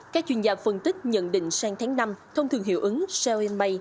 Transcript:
các chuyên gia phân tích nhận định sang tháng năm thông thường hiệu ứng sell in may